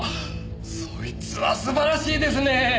そいつは素晴らしいですね！